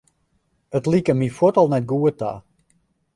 It like my fuort al net goed ta.